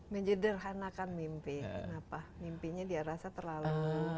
menyederhanakan mimpi kenapa mimpinya dia rasa terlalu